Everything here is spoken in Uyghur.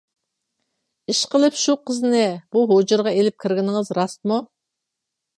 ئىشقىلىپ شۇ قىزنى بۇ ھۇجرىغا ئېلىپ كىرگىنىڭىز راستمۇ؟